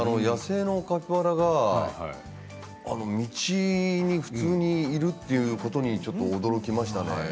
野生のカピバラが道に普通にいるということにちょっと驚きましたね。